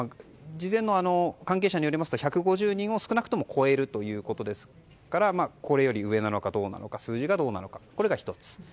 事前の関係者によりますと１５０人を少なくとも超えるということですからこれより上なのかどうなのかこれが１つ。